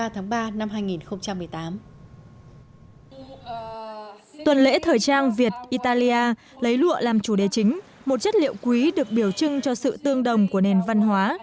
tuần lễ thời trang việt italia lấy lụa làm chủ đề chính một chất liệu quý được biểu trưng cho sự tương đồng của nền văn hóa